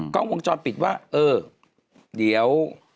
กล้องวงจรปิดว่าเออเดี๋ยว